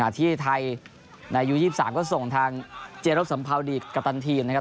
ที่ไทยในอายุ๒๓ก็ส่งทางเจรบสัมภาวดีกัปตันทีมนะครับ